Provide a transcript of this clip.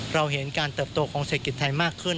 เราเห็นการเติบโตของเศรษฐกิจไทยมากขึ้น